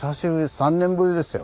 ３年ぶりですよ。